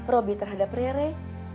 robi terhadap rere